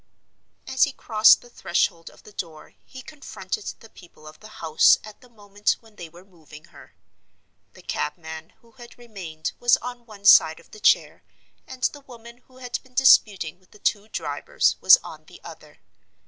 As he crossed the threshold of the door he confronted the people of the house at the moment when they were moving her. The cabman who had remained was on one side of the chair, and the woman who had been disputing with the two drivers was on the other.